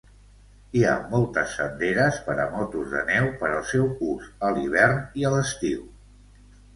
Hi ha moltes senderes per a motos de neu per al seu ús a l'hivern i a l'estiu.